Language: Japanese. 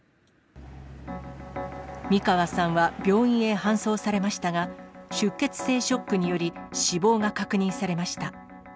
三川さんは病院へ搬送されましたが、出血性ショックにより、死亡が確認されました。